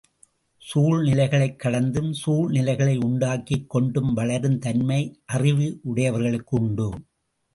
சூழ்நிலைகளைக் கடந்தும் சூழ்நிலைகளை உண்டாக்கிக் கொண்டும் வளரும் தன்மை அறிவுடையவர்களுக்கு உண்டு.